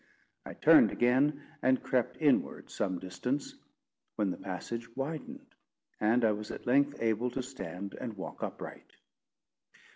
I turned again, and crept inwards some distance, when the passage widened, and I was at length able to stand and walk upright.